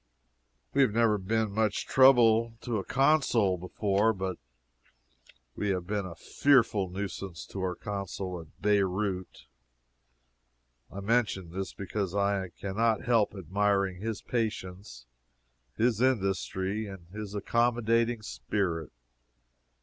We have never been much trouble to a Consul before, but we have been a fearful nuisance to our Consul at Beirout. I mention this because I can not help admiring his patience, his industry, and his accommodating spirit.